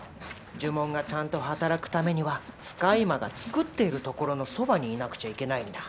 呪文がちゃんと働くためには使い魔が作っているところのそばにいなくちゃいけないんだ。